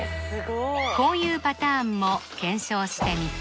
こういうパターンも検証してみた